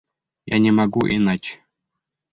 Я не могу иначе...